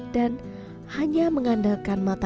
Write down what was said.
dan hanya mengandalkan kemampuan